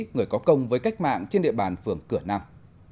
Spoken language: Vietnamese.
người có công với cách mạng trên địa bàn phường cửa nam